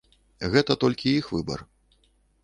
Толькі гэта іх выбар.